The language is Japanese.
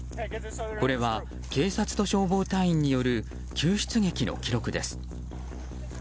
これは警察と消防隊員による救出劇の記録です。